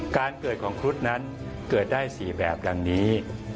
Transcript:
การเกิดของครุฑนั้นเกิดได้๔แบบดังนี้